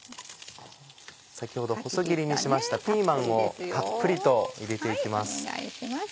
先ほど細切りにしましたピーマンをたっぷりと入れていきます。